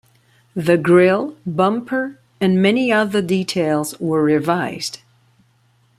The grill, bumper and many other details were revised.